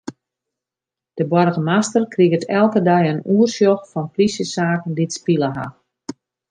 De boargemaster kriget elke dei in oersjoch fan plysjesaken dy't spile ha.